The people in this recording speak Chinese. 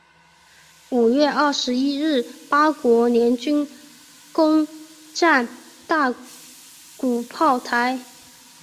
五月二十一日八国联军攻战大沽炮台。